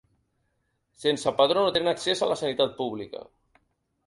Sense padró no tenen accés a la sanitat pública.